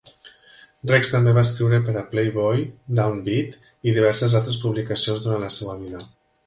Rex també va escriure per a "Playboy", "Down Beat" i diverses altres publicacions durant la seva vida.